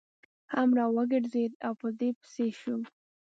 هم را وګرځېد او په ده پسې شو.